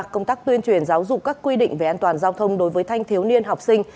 công tác tuyên truyền giáo dục các quy định về an toàn giao thông đối với thanh thiếu niên học sinh